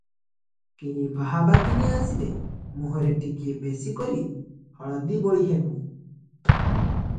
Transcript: କେହି ବାହା ବାତିନିଆ ଆସିଲେ ମୁହଁରେ ଟିକିଏ ବେଶି କରି ହଳଦୀ ବୋଳି ହେବୁ ।